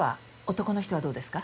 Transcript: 男の人はどうですか？